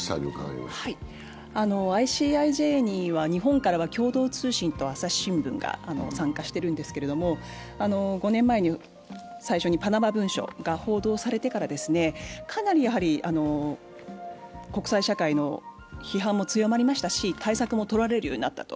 ＩＣＩＪには日本からは共同通信と朝日新聞が参加しているんですけれども５年前に最初にパナマ文書が報道されてから、かなり国際社会の批判も強まりましたし対策も取られるようになったと。